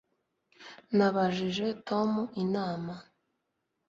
Nabajije Tom inama